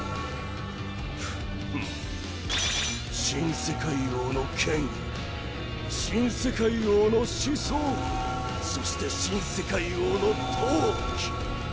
新世界王の権威新世界王の思想そして新世界王の闘気。